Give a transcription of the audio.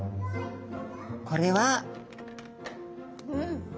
これは。